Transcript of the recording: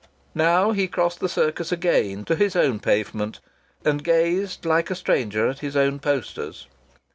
Now he crossed the Circus again to his own pavement and gazed like a stranger at his own posters.